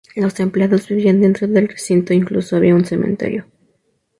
Los empleados vivían dentro del recinto e incluso había un cementerio.